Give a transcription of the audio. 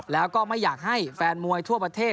แล้วก็ไม่อยากให้แฟนมวยทั่วประเทศ